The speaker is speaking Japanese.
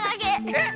えっ？